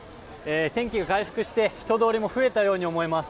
天気が回復して人通りも増えたように思います。